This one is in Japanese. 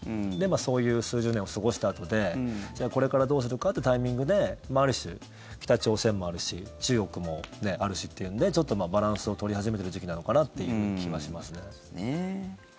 そういう数十年を過ごしたあとでこれからどうするかってタイミングである種、北朝鮮もあるし中国もあるしっていうんでちょっとバランスを取り始めてる時期なのかなっていう気はしますね。